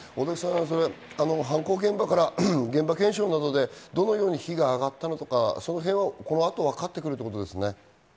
犯行現場から現場検証などでどのように火が上がったとか、そのへんはこの後分かって来るということですね。